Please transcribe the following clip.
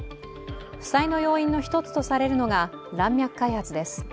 負債の要因の一つとされているのが乱脈開発です。